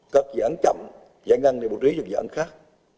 các dự án chậm giải ngân để bổ trí cho dự án khác